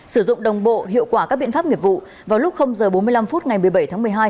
sử dụng đồng bộ hiệu quả các biện pháp nghiệp vụ vào lúc h bốn mươi năm phút ngày một mươi bảy tháng một mươi hai